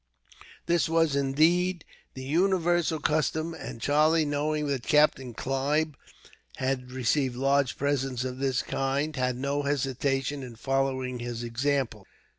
This was, indeed, the universal custom, and Charlie, knowing that Captain Clive had received large presents of this kind, had no hesitation in following his example.